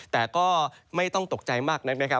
แต่ก็ไม่ต้องตกใจมากนักนะครับ